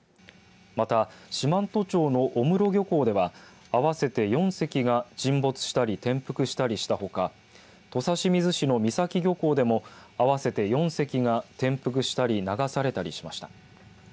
また、四万十町の小室漁港では合わせて４隻が沈没したり転覆したりしたほか土佐清水市の三崎漁港でも合わせて４隻が転覆したり流されたりしました。